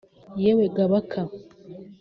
Yewe ga Baka